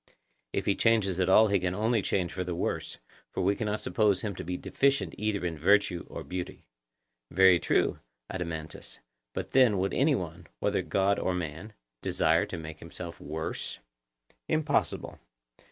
If he change at all he can only change for the worse, for we cannot suppose him to be deficient either in virtue or beauty. Very true, Adeimantus; but then, would any one, whether God or man, desire to make himself worse? Impossible.